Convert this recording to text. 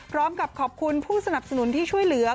พร้อมกับขอบคุณผู้สนับสนุนที่ช่วยเหลือ